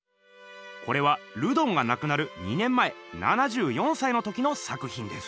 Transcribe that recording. これはルドンがなくなる２年前７４歳の時の作ひんです。